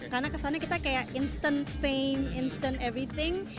karena kesannya kita kayak instant fame instant everything